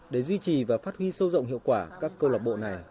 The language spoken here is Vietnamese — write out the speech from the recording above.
để duy trì và phát huy sâu rộng hiệu quả các câu lạc bộ này